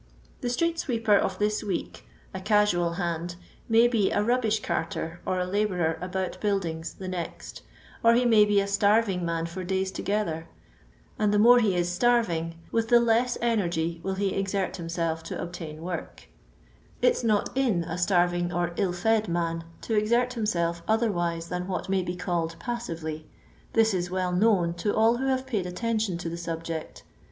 The street sweeper of this week, a "casual" hand, maybe a rubbish carter or a labourer about buildings the next, or he may be a starving man for days together, and the more he is starving with the less energy will he exert himself to obtain work : "it 's not in" a starving or ill fed roan to exert himself otherwise than what may be called passively ; this is well known to all who have paid attention to the subject.